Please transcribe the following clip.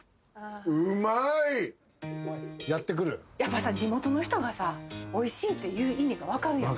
やっぱさ地元の人がさおいしいって言う意味が分かるやん。